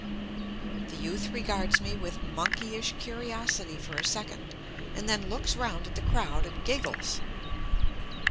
The youth regards me with monkeyish curiosity for a second, and then looks round at the crowd and giggles.